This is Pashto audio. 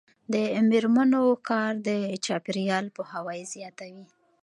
د میرمنو کار د چاپیریال پوهاوي زیاتوي.